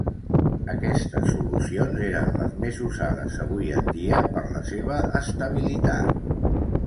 Aquestes solucions eren les més usades avui en dia per la seva estabilitat.